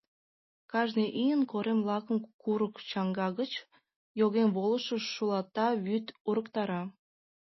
Кажне ийын корем лакым курык чаҥга гыч йоген волышо шулата вӱд урыктара.